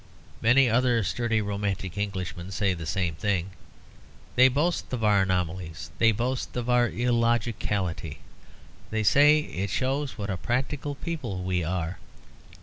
Many other sturdy romantic Englishmen say the same. They boast of our anomalies; they boast of our illogicality; they say it shows what a practical people we are.